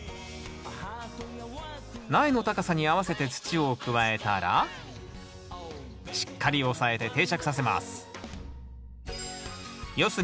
苗の高さに合わせて土を加えたらしっかり押さえて定着させます。